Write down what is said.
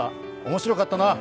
面白かったな」